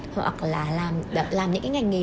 hoặc là làm những cái ngành nghề